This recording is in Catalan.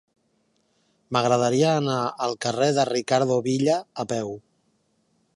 M'agradaria anar al carrer de Ricardo Villa a peu.